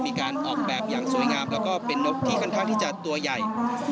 มีการออกแบบอย่างสวยงามแล้วก็เป็นนกที่ค่อนข้างที่จะตัวใหญ่